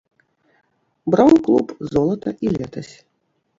Браў клуб золата і летась.